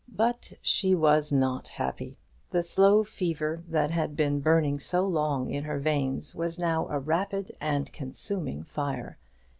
But she was not happy. The slow fever that had been burning so long in her veins was now a rapid and consuming fire.